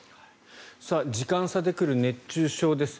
時間差で来る熱中症です。